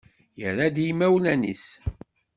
Yerra-d i yimawlan-is.